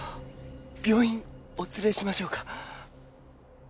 病院お連れしましょうか？